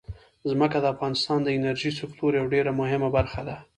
ځمکه د افغانستان د انرژۍ سکتور یوه ډېره مهمه برخه ده.